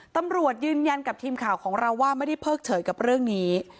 ตำรวจยืนยันกับทีมข่าวของเราว่าไม่ได้เพิกเฉยกับเรื่องนี้